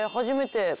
初めて。